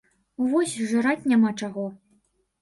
Вось жраць няма чаго.